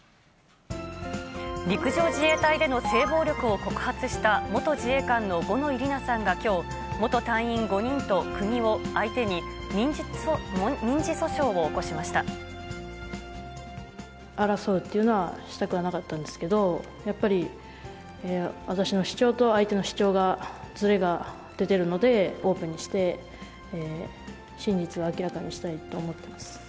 陸上自衛隊での性暴力を告発した元自衛官の五ノ井里奈さんが、きょう、元隊員５人と国を相手に、争うというのは、したくはなかったんですけど、やっぱり私の主張と相手の主張がずれが出てるので、オープンにして真実を明らかにしたいと思ってます。